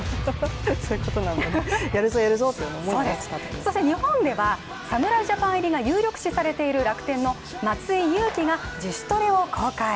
そして日本では、侍ジャパン入りが有力視されている楽天の松井裕樹が自主トレを公開。